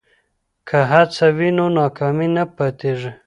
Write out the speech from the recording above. که هڅه وي نو ناکامي نه پاتیږي.